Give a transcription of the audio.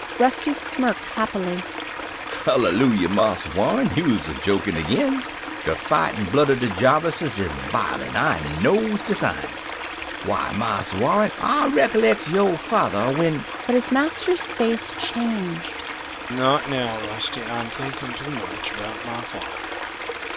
Rusty smirked happily. "Hallelujah, Marse Warren, you'se jokin' agin de fightin' blood of de Jarvises is bilin' I knows de signs. Why, Marse Warren, I recollects yoh father when...." But his master's face changed. "Not now, Rusty. I'm thinking too much about my father.